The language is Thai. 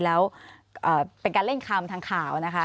แล้วเป็นการเล่นคำทางข่าวนะคะ